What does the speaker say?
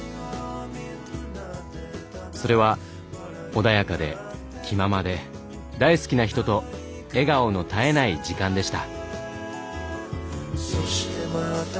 それは穏やかで気ままで大好きな人と笑顔の絶えない時間でした。